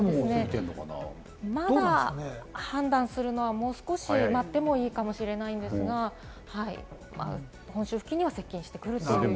まだ判断するのはもう少し待ってもいいかもしれないんですが、本州付近に接近してくるという予報です。